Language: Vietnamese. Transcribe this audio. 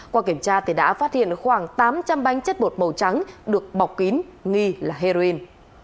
qua kiểm tra đã phát hiện khoảng tám trăm linh bánh chất bột màu trắng được bọc kín nghi là heroin